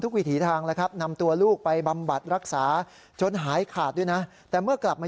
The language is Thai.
วิถีทางแล้วครับนำตัวลูกไปบำบัดรักษาจนหายขาดด้วยนะแต่เมื่อกลับมา